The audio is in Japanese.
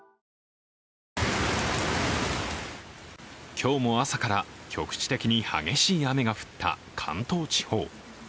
今日も朝から局地的に激しい雨が降った関東地方。